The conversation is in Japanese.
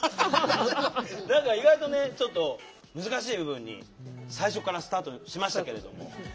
何か意外とねちょっと難しい部分に最初からスタートしましたけれども。